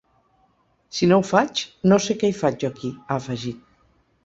Si no ho faig, no sé què hi faig jo aquí, ha afegit.